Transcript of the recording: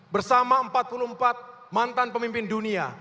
bersama empat puluh empat mantan pemimpin dunia